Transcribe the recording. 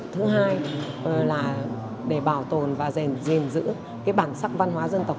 thứ hai là để bảo tồn và giềng giữ cái bản sắc văn hóa dân tộc